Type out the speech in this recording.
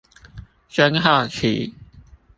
真好奇